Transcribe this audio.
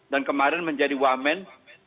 dan kemarin menjadi wahmen